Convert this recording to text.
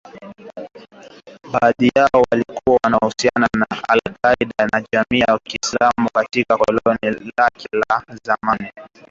baadhi yao wakiwa na uhusiano na al Qaeda na jamii ya kiislamu katika koloni lake la zamani